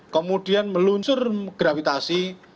kemudian meluncur gravitasi